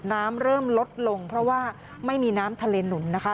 น้ำเริ่มลดลงเพราะว่าไม่มีน้ำทะเลหนุนนะคะ